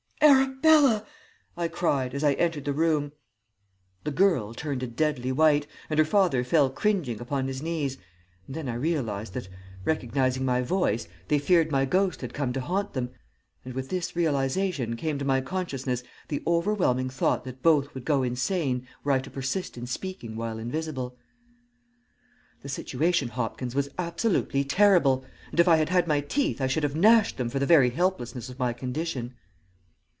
"'Arabella!' I cried, as I entered the room. "The girl turned a deadly white, and her father fell cringing upon his knees, and then I realized that, recognizing my voice, they feared my ghost had come to haunt them, and with this realization came to my consciousness the overwhelming thought that both would go insane were I to persist in speaking while invisible. "The situation, Hopkins, was absolutely terrible, and if I had had my teeth I should have gnashed them for the very helplessness of my condition."